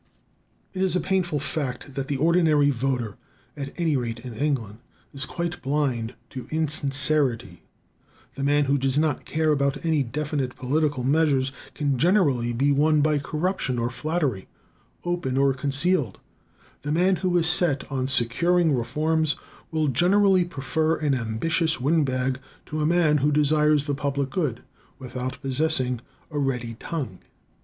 It is a painful fact that the ordinary voter, at any rate in England, is quite blind to insincerity. The man who does not care about any definite political measures can generally be won by corruption or flattery, open or concealed; the man who is set on securing reforms will generally prefer an ambitious windbag to a man who desires the public good without possessing a ready tongue.